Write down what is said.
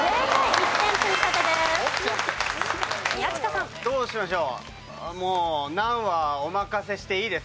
１点積み立てです。